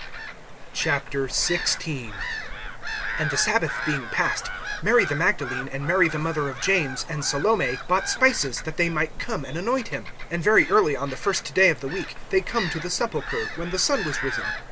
XVI. AND the sabbath being past, Mary the Magdalene, and Mary the mother of James, and Salome, bought spices, that they might come and anoint him. (2)And very early, on the first day of the week, they come to the sepulchre, when the sun was risen.